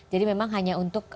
jadi memang hanya untuk